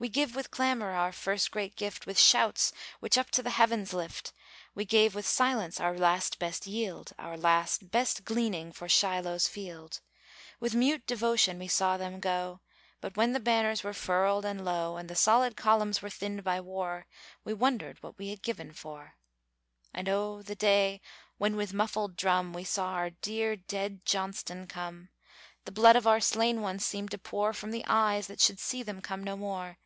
We gave with clamor our first great gift, With shouts which up to the heavens lift; We gave with silence our last best yield, Our last, best gleaning for Shiloh's field. With mute devotion we saw them go; But when the banners were furled and low, And the solid columns were thinned by war, We wondered what we had given for. And oh, the day when with muffled drum We saw our dear, dead Johnston come! The blood of our slain ones seemed to pour From the eyes that should see them come no more.